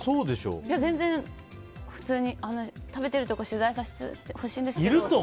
全然普通に食べているところ取材させてほしいですと。